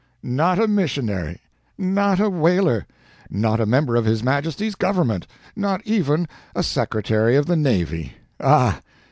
Not a missionary! not a whaler! not a member of his Majesty's government! not even a Secretary of the Navy! Ah!